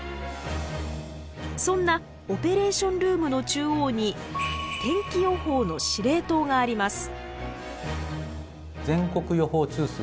そんなオペレーションルームの中央に天気予報の「司令塔」があります。